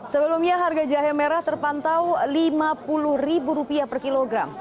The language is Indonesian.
sebelumnya harga jahe merah terpantau rp lima puluh per kilogram